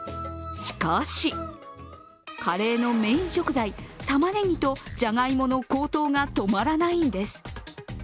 しかし、カレーのメイン食材たまねぎとじゃがいもの高騰が止まらないんです。